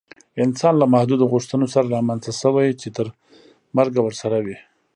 انسان له نامحدودو غوښتنو سره رامنځته شوی چې تر مرګه ورسره وي